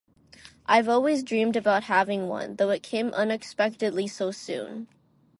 I've always dreamed about having one, though it came unexpectedly so soon.